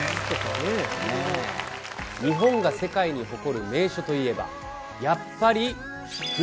日本が世界に誇る名所といえばやっぱり。